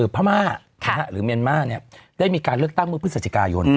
พม่าหรือเมียนมาร์ได้มีการเลือกตั้งเมื่อพฤศจิกายน